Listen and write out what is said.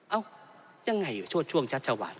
เอ้ายังไงชวดช่วงชัดชวาน